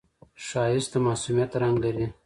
ښایست د معصومیت رنگ لري